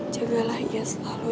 jagalah ia selalu